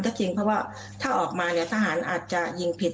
ก็จริงเพราะว่าถ้าออกมาเนี่ยทหารอาจจะยิงผิด